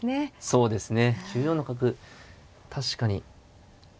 そうですね。